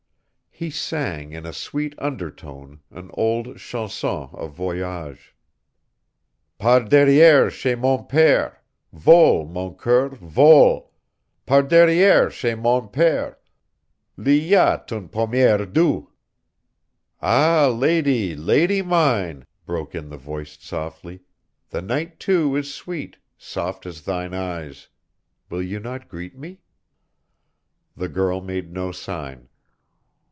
He sang in a sweet undertone an old chanson of voyage. "Par derrièr' chez mon père, Vole, mon coeur, vole! Par derrièr' chez mon père Li ya t un pommier doux." "Ah lady, lady mine," broke in the voice softly, "the night too is sweet, soft as thine eyes. Will you not greet me?" The girl made no sign.